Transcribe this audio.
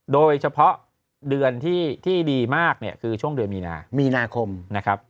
โดยเฉพาะเดือนที่ดีมากเนี่ยคือช่วงเดือนมีนามีนาคมนะครับ